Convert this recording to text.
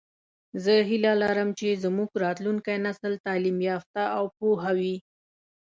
زه هیله لرم چې زمونږ راتلونکی نسل تعلیم یافته او پوهه وي